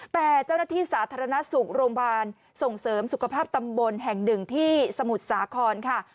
แต่เจ้าหน้าที่สาธารณสุขโรงพยาบาลส่งเสริมสุขภาพตำบลแห่งหนึ่งที่สมุทรสาครค่ะ